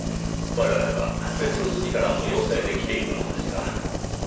我々は別の筋からの要請で来ているのですが。